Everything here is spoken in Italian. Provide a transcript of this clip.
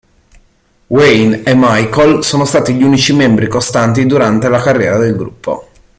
Wayne e Michael sono stati gli unici membri costanti durante la carriera del gruppo.